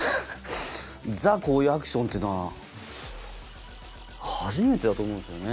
ザ・こういうアクションっていうのは初めてだと思うんですよね。